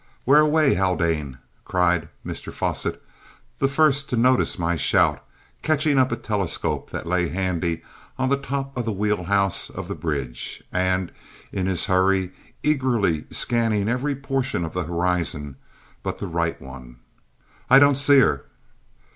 "Where away, Haldane?" cried Mr Fosset, the first to notice my shout, catching up a telescope that lay handy on the top of the wheel house of the bridge; and, in his hurry, eagerly scanning every portion of the horizon but the right one. "I don't see her!"